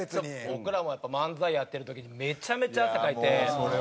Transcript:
僕らも漫才やってる時にめちゃめちゃ汗かいて。